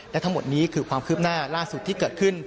และทั้งหมดนี้คือความคืบหน้าล่าสุดที่เกิดขึ้น